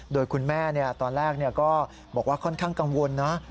โดยคุณแม่ตอนแรกก็บอกว่าค่อนข้างกังวลนะ